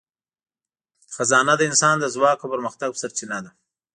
خزانه د انسان د ځواک او پرمختګ سرچینه ده.